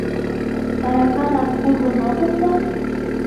Тараканак пурлын огыл дыр?